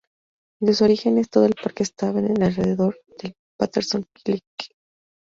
En sus orígenes, todo el parque estaba en el área alrededor del Patterson Creek.